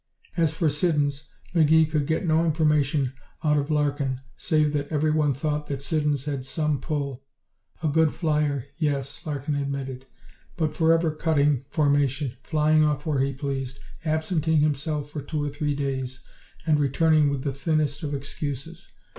As for Siddons, McGee could get no information out of Larkin save that everyone thought that Siddons had some pull. A good flyer, yes, Larkin admitted, but forever cutting formation, flying off where he pleased, absenting himself for two or three days, and returning with the thinnest of excuses.